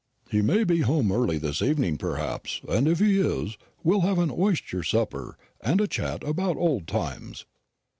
He may be home early this evening, perhaps; and if he is, we'll have an oyster supper, and a chat about old times."